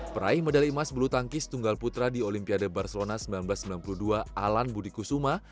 peraih medali emas bulu tangkis tunggal putra di olimpiade barcelona seribu sembilan ratus sembilan puluh dua alan budi kusuma